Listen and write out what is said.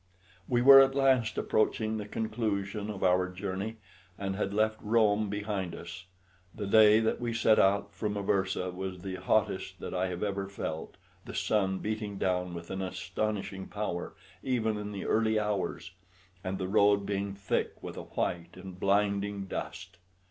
We were at last approaching the conclusion of our journey, and had left Rome behind us. The day that we set out from Aversa was the hottest that I have ever felt, the sun beating down with an astonishing power even in the early hours, and the road being thick with a white and blinding dust.